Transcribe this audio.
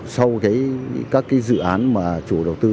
sau các dự án mà chủ đầu tư